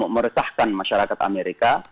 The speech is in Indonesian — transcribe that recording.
meresahkan masyarakat amerika